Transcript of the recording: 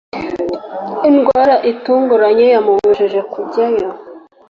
Indwara itunguranye yamubujije kujyayo.